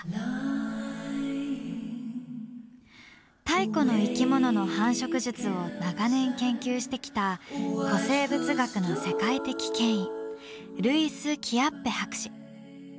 太古の生き物の繁殖術を長年研究してきた古生物学の世界的権威ルイス・キアッペ博士。